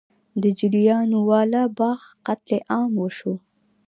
د جلیانواله باغ قتل عام وشو.